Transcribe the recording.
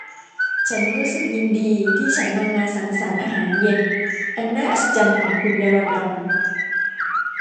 ฉันรู้สึกยินดีที่ฉันมางานสังสรรค์อาหารเย็นอันน่าอัศจรรย์ของคุณในลอนดอน